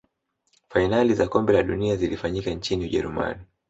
fainali za kombe la dunia zilifanyika nchini ujerumani